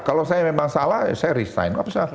kalau saya memang salah ya saya resign